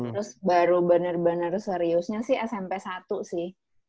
terus baru bener bener seriusnya sih smp satu sih basket